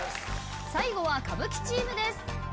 最後は歌舞伎チームです。